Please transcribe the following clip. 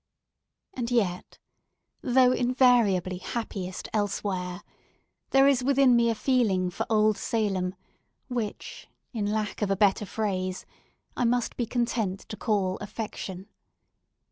And yet, though invariably happiest elsewhere, there is within me a feeling for Old Salem, which, in lack of a better phrase, I must be content to call affection.